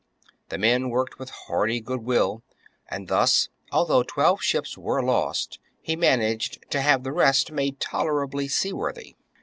The men worked with hearty good will ; and, thus although twelve ships were lost, he managed to have the rest made tolerably sea worthy.